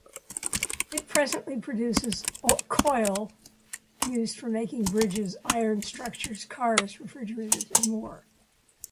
It presently produces coil used for making bridges, iron structures, cars, refrigerators, and more.